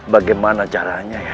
bagaimana caranya ya